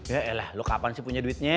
yaelah lu kapan sih punya duitnya